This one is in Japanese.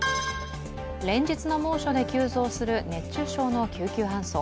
連日の猛暑で急増する熱中症の救急搬送。